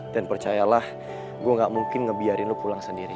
dan percayalah gue gak mungkin ngebiarin lo pulang sendirian